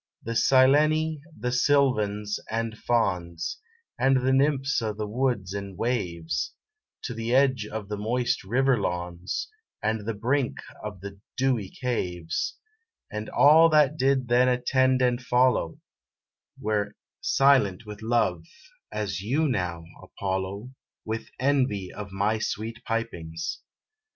The Sileni, and Sylvans, and Fauns, And the Nymphs of the woods and waves, To the edge of the moist river lawns, And the brink of the dewy caves, And all that did then attend and follow, Were silent with love, as you now, Apollo, With envy of my sweet pipings.